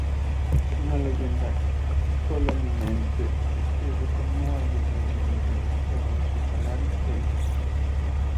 Una leyenda colimense lo describe como "alguien tranquilo, relajado, hospitalario, feliz.